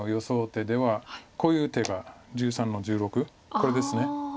手ではこういう手が１３の十六これですね。